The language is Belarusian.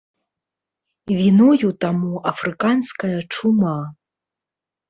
Віною таму афрыканская чума.